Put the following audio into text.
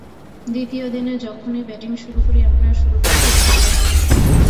দ্বিতীয় দিনে যখনই ব্যাটিং শুরু করি আমরা, শুরুটা খুব ভালো চাই।